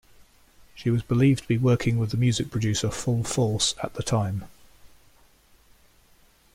She was believed to be working with music producer Full Force at the time.